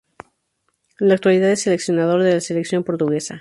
En la actualidad es seleccionador de la selección portuguesa.